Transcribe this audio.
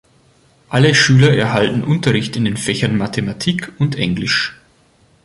Alle Schüler erhalten Unterricht in den Fächern Mathematik und Englisch.